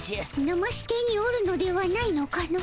ナマステにおるのではないのかの？